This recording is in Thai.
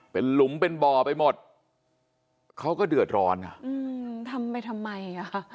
เป็นหลุมเป็นบ่อไปหมดเขาก็เดือดร้อนอ่ะอืมทำไปทำไมอ่ะ